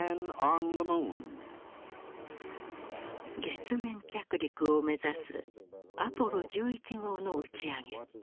月面着陸を目指すアポロ１１号の打ち上げ。